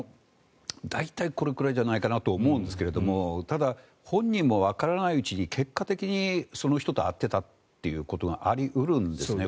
大体これくらいじゃないかなと思うんですがただ、本人もわからないうちに結果的にその人と会っていたということがあり得るんですね